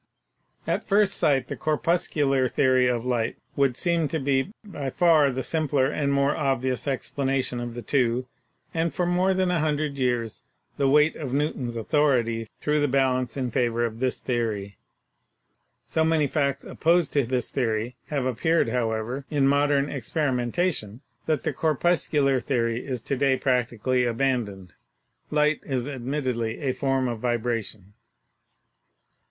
At first sight the corpuscular theory of light would, seem to be by far the simpler and more obvious explana tion of the two, and for more than a hundred years the weight of Newton's authority threw the balance in favor of this theory. So many facts opposed to this theory have appeared, however, in modern experimentation that the corpuscular theory is to day practically abandoned. Light is admittedly a form of vibration.